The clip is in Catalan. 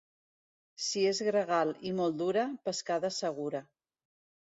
Si és gregal i molt dura, pescada segura.